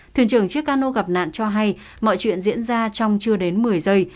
thuyền trưởng chiếc cano gặp nạn cho hay mọi chuyện diễn ra trong chưa đến một mươi giây